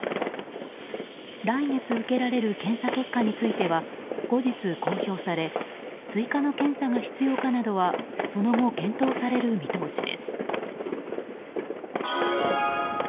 来月受けられる検査結果については後日公表され追加の検査が必要かなどはその後、検討される見通しです。